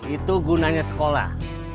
itu gunanya sekolah